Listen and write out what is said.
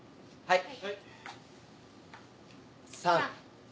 はい。